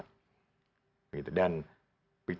dan ketika ada regulasi perubahan tentang modal yang distorkan nggak ada